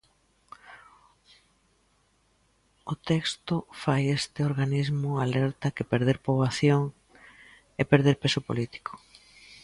O texto fai Este organismo alerta que perder poboación é perder peso político.